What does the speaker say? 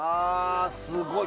すごい。